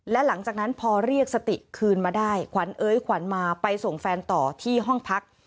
และหลังจากนั้นพอเรียกสติคืนมาได้ขวัญเอ้ยขวัญมาไปส่งแฟนต่อที่ห้องพัก